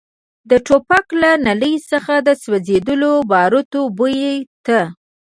د ټوپک له نلۍ څخه د سوځېدلو باروتو بوی ته.